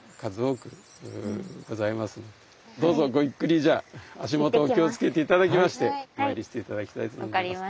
どうぞごゆっくりじゃあ足元お気を付けて頂きましてお参りして頂きたいと思います。